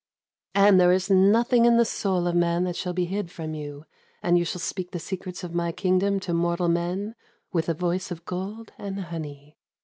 And there is nothing in the soul of man that shall be hid from you; and you shall speak the secrets of my kingdom to mortal men with a voice of gold and of honey.